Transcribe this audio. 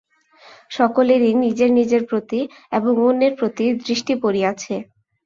সকলেরই নিজের নিজের প্রতি এবং অন্যের প্রতি দৃষ্টি পড়িয়াছে।